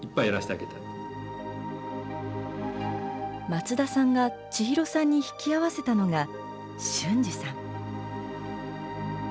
松田さんが千尋さんに引き合わせたのが、ＳＨＵＮＪＩさん。